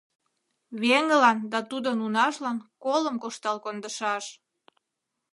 Веҥылан да тудын унажлан колым коштал кондышаш...